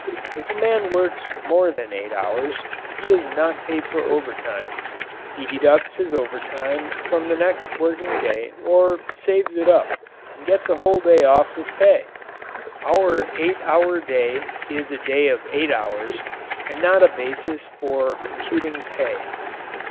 If a man works more than eight hours he is not paid for overtime he deducts his overtime from the next working day or saves it up and gets a whole day off with pay. Our eight hour day is a day of eight hours and not a basis for computing pay.